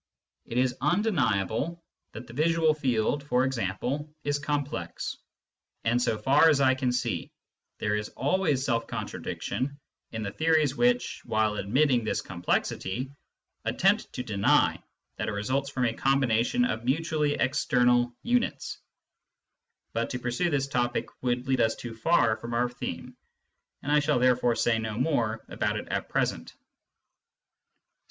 It is undeniable that the visual field, for example, is complex ; and so far as I can see, there is always self contradiction in the theories which, while admitting this complexity, attempt to deny that it results from a combination of mutually external units. But to pursue this topic would lead us too far from our theme, and I shall therefore say no more about it at present.